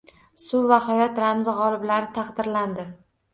Suv va hayot ramzi g‘oliblari taqdirlandi